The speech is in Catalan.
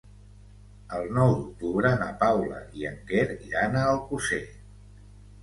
El nou d'octubre na Paula i en Quer iran a Alcosser.